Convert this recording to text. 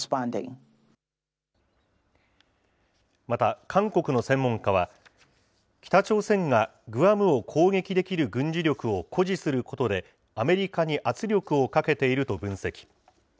また、韓国の専門家は、北朝鮮がグアムを攻撃できる軍事力を誇示することで、アメリカに圧力をかけていると分析。